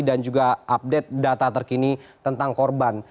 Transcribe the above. dan juga update data terkini tentang korban